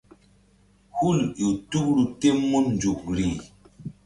Hul ƴo tukru tem mun nzukri.